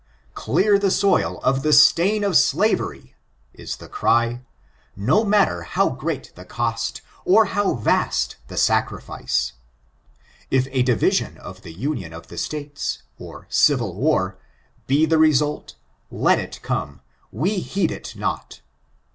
Clear the soil of the stain of slavery, is the cry, no matter how great the cost, or how vast the sacrifice. If a division of the union of the states, or civil war, be the result, let it come, we heed it not.